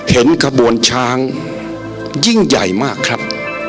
ขบวนช้างยิ่งใหญ่มากครับ